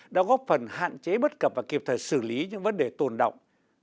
đã góp phần hạn chế bất cập và kịp thời xử lý những vấn đề tồn động